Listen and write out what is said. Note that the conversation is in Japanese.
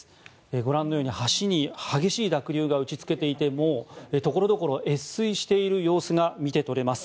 ご覧のように橋に激しい濁流が打ちつけていてもう所々、越水している様子が見て取れます。